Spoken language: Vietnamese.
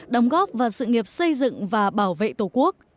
đóng góp vào sự nghiệp xây dựng và bảo vệ tổ quốc